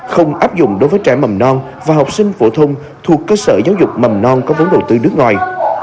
không áp dụng đối với trẻ mầm non và học sinh phổ thông thuộc cơ sở giáo dục mầm non có vốn đầu tư nước ngoài